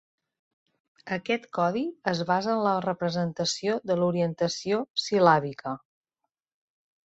Aquest codi es basa en la representació de l'orientació sil·làbica.